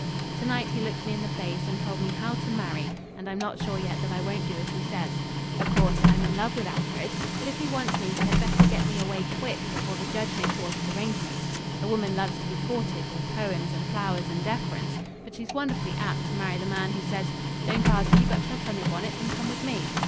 To night he looked me in the face and told me how to marry, and I'm not sure yet that I won't do as he says. Of course I'm in love with Alfred, but if he wants me he had better get me away quick before the judge makes all his arrangements. A woman loves to be courted with poems and flowers and deference, but she's wonderfully apt to marry the man who says, "Don't argue, but put on your bonnet and come with me."